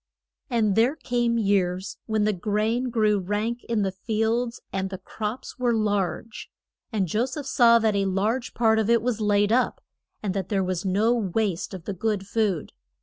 And there came years when the grain grew rank in the fields, and the crops were large. And Jo seph saw that a large part of it was laid up, and that there was no waste of the good food.